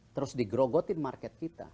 terus digrogotin market kita